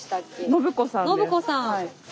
信子さん。